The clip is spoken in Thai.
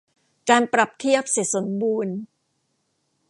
การปรับเทียบเสร็จสมบูรณ์